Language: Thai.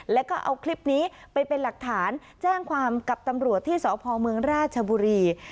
แล้วก็เอาคลิปนี้ไปเป็นหลักฐานแจ้งความกับตำรวจที่สพเมืองราชบุรี